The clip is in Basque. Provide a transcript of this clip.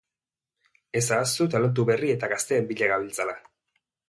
Ez ahaztu talentu berri eta gazteen bila gabiltzala!